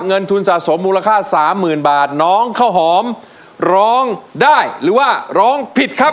เงินทุนสะสมมูลค่าสามหมื่นบาทน้องข้าวหอมร้องได้หรือว่าร้องผิดครับ